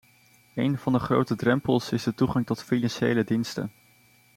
Een van de grote drempels is de toegang tot financiële diensten.